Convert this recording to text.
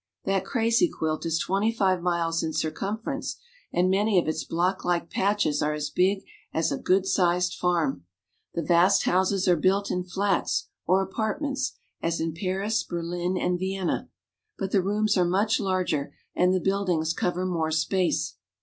That crazy quilt is twenty five miles in circumference, and many of its blocklike patches are as big as a good sized farm. The vast houses are built in flats or apartments, as in Paris, Berlin, and Vienna ; but the rooms are much larger and the buildings cover more space.